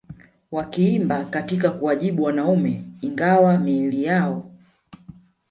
wakiimba katika kuwajibu wanaume Ingawa miili yao